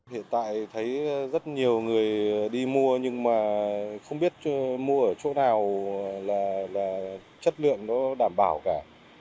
hiện tại thấy rất nhiều người đi mua nhưng mà không biết mua ở chỗ nào là chất lượng nó đảm bảo cả